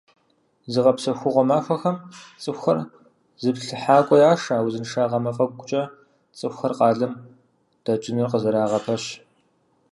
Зыгъэпсэхугъуэ махуэхэм цӀыхухэр зыплъыхьакӀуэ яшэ, узыншагъэ мафӀэгукӀэ цӀыхухэр къалэм дэкӀыныр къызэрагъэпэщ.